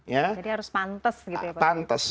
jadi harus pantas gitu ya pak